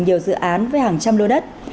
nhiều dự án với hàng trăm lô đất